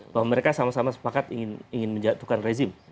bahwa mereka sama sama sepakat ingin menjatuhkan rezim